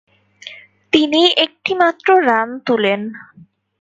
তিনি একটিমাত্র রান তুলেন।